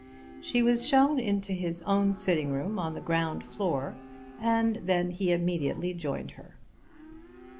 She was shown into his own sitting room on the ground floor, and then he immediately joined her.